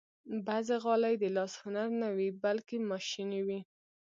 بعضې غالۍ د لاس هنر نه وي، بلکې ماشيني وي.